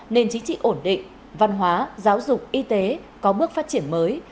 nền chính trị ổn định văn hóa giáo dục y tế có bước phát triển mới